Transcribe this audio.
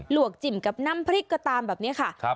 วกจิ้มกับน้ำพริกก็ตามแบบนี้ค่ะ